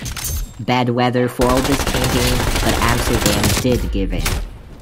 Bad weather foiled this campaign, but Amsterdam did give in.